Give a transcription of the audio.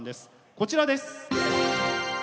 こちらです！